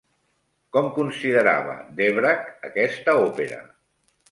Com considerava Dvořák aquesta òpera?